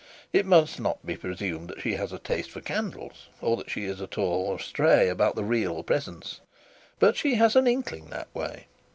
It must not be presumed that she has a taste for candles, or that she is at all astray about the real presence; but she has an inkling that way.